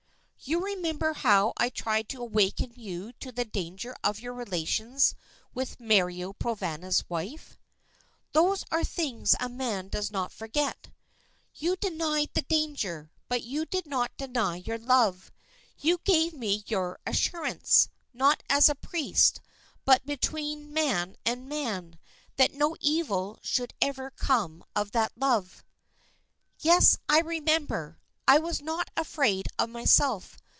"You remember how I tried to awaken you to the danger of your relations with Mario Provana's wife." "Those are things a man does not forget." "You denied the danger; but you did not deny your love. You gave me your assurance, not as to a priest, but between man and man, that no evil should ever come of that love." "Yes, I remember. I was not afraid of myself.